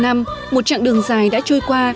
bảy mươi năm một chặng đường dài đã trôi qua